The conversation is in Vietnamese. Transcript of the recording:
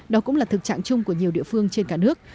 đó cũng là thực trạng chung của nhiều địa phương trên cả nước